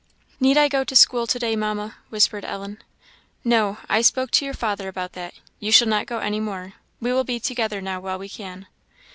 "Need I go to school to day, Mamma?" whispered Ellen. "No; I spoke to your father about that; you shall not go any more; we will be together now while we can."